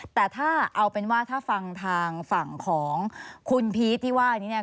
แต่ถ้าเอาเป็นว่าถ้าฟังทางฝั่งของคุณพีชที่ว่านี้เนี่ย